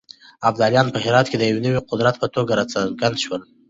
ابدالیان په هرات کې د يو نوي قدرت په توګه راڅرګند شول.